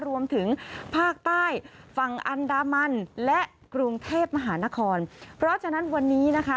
รวมถึงภาคใต้ฝั่งอันดามันและกรุงเทพมหานครเพราะฉะนั้นวันนี้นะคะ